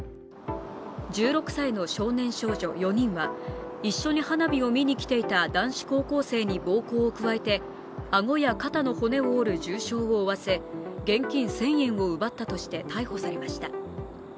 １６歳の少年少女４人は一緒に花火を見にきていた男子高校生に暴行を加えて顎や肩の骨を折る重傷を負わせ現金１０００円を奪ったとして逮捕されました。